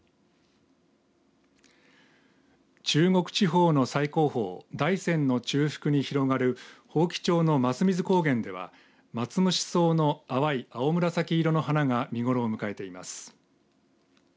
中国地方の最高峰大山の中腹に広がる伯耆町の桝水高原ではマツムシソウの淡い青紫色の花が見頃を迎えています。